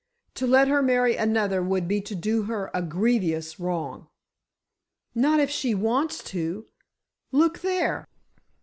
To let her marry another would be to do her a grievous wrong——" "Not if she wants to—look there!"